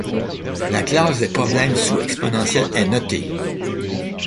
La classe des problèmes sous-exponentiels est notée '.